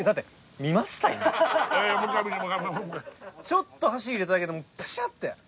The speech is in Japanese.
ちょっと箸入れただけでもうクシャって。